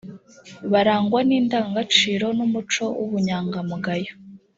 barangwa n’indangagaciro n’umuco w’ubunyangamugayo